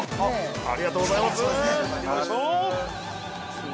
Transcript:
◆ありがとうございます。